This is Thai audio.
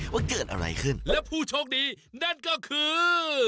ว่าเกิดอะไรขึ้นและผู้โชคดีนั่นก็คือ